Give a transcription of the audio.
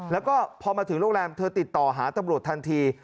แล้วก็พอมาถึงโรงแรมเธอติดต่อหาตำรวจทันที